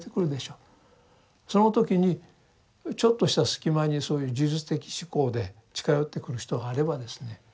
その時にちょっとした隙間にそういう呪術的思考で近寄ってくる人があればですね